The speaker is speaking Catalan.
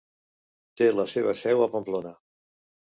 Té la seva seu a Pamplona.